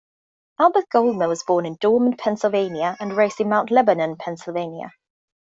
Albert Goldman was born in Dormont, Pennsylvania and raised in Mount Lebanon, Pennsylvania.